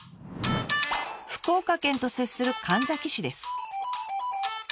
福岡県と接する神埼市です。